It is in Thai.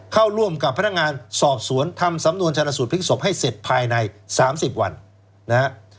เข้าร่วมกับพนักงานสอบสวนทำสำนวนชนสูตรพลิกศพให้เสร็จภายใน๓๐วันนะฮะ